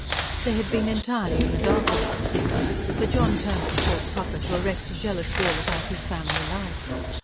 They had been entirely in the dark about things. For John Turnham thought proper to erect a jealous wall about his family life.